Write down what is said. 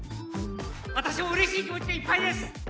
私も嬉しい気持ちでいっぱいです